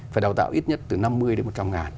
phải đào tạo ít nhất từ năm mươi đến một trăm linh ngàn